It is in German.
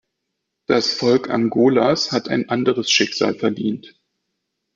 Das Volk Angolas hat ein anderes Schicksal verdient.